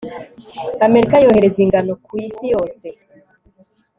amerika yohereza ingano ku isi yose